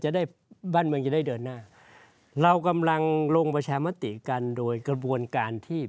จะได้บ้านเมืองจะได้เดินหน้าเรากำลังลงประชามติกันโดยกระบวนการที่